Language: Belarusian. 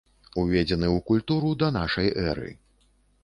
Уведзены ў культуру да нашай эры.